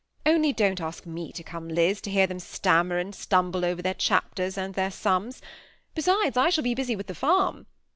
Only don't ask me to come, Liz, to hear them stammer and stumble over their chapters and their sums ; besides, I shall be busy with the farm.